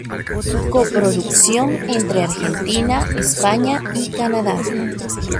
Coproducción entre Argentina, España y Canadá.